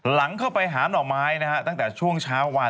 หลังเข้าไปหาหนอกไม้นะฮะตั้งแต่ช่วงเช้าวานนี้นะครับ